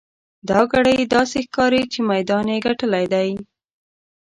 دا ګړی داسې ښکاري چې میدان یې ګټلی دی.